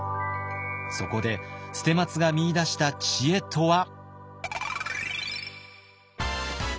そこで捨松が見いだした知恵とは。